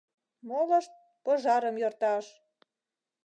Молышт — пожарым йӧрташ!